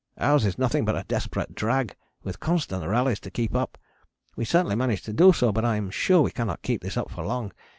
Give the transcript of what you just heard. Ours is nothing but a desperate drag with constant rallies to keep up. We certainly manage to do so, but I am sure we cannot keep this up for long.